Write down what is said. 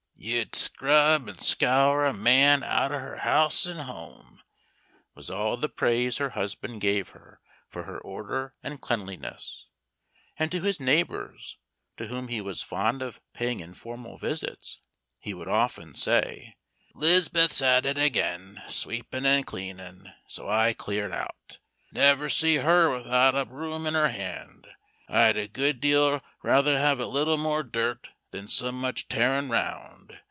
"You'd scrub and scour a man out 'er house an' home!" was all the praise her husband gave her for her order and cleanliness; and to his neighbors, to whom he was fond of paying informal visits, he would often say "Liz'beth's at it again sweepin' and cleanin', so I cleared out. Never see her without out a broom in her hand. I'd a good deal rather have a little more dirt, than so much tearin' 'round.